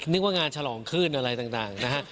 นึกว่างานฉลองขึ้นอะไรต่างนะฮะ